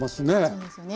そうですね